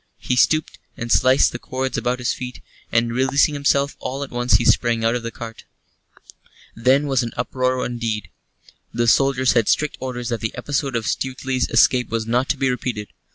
He stooped and sliced the cords about his feet, and, releasing himself, all at once he sprang out of the cart. Then was an uproar indeed. The soldiers had strict orders that the episode of Stuteley's escape was not to be repeated.